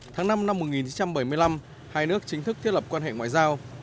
tháng năm năm một nghìn chín trăm bảy mươi năm hai nước chính thức thiết lập quan hệ ngoại giao